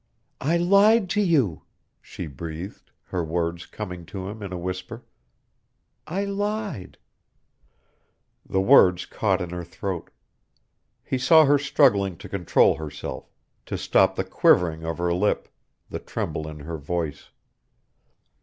"I lied to you," she breathed, her words coming to him in a whisper. "I lied " The words caught in her throat. He saw her struggling to control herself, to stop the quivering of her lip, the tremble in her voice.